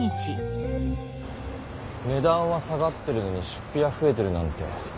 ねだんは下がってるのに出ぴはふえてるなんて。